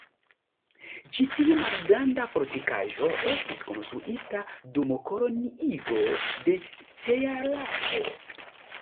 Ĉi tiu malgranda fortikaĵo estis konstruita dum koloniigo de Cearao.